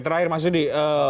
terakhir mas yudi